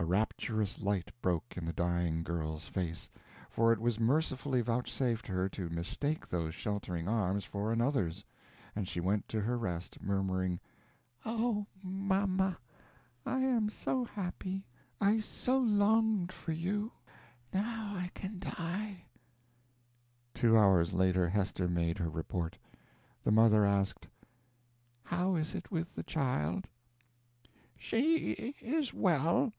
A rapturous light broke in the dying girl's face, for it was mercifully vouchsafed her to mistake those sheltering arms for another's; and she went to her rest murmuring, "Oh, mamma, I am so happy I longed for you now I can die." Two hours later Hester made her report. The mother asked: "How is it with the child?" "She is well."